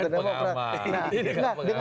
nah dengan maksudnya